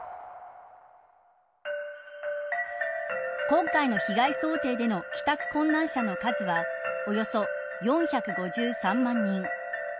今回の被害想定での帰宅困難者の数はおよそ４５３万人。